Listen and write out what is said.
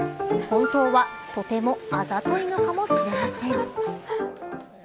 本当はとてもあざといのかもしれません。